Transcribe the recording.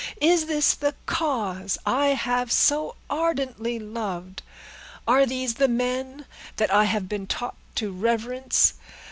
Is this the cause I have so ardently loved? Are these the men that I have been taught to reverence?